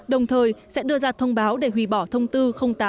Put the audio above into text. đồng thời sẽ đưa ra thông báo để hủy bỏ thông tư tám trăm linh chín